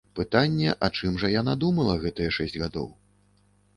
Пытанне, а чым жа яна думала гэтыя шэсць гадоў.